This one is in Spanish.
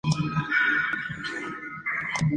Sus colores tradicionales son el azul y el blanco.